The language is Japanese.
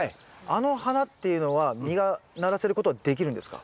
あの花っていうのは実がならせることはできるんですか？